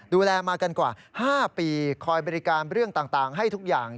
ดูแลมากันกว่า๕ปีคอยบริการเรื่องต่างให้ทุกอย่าง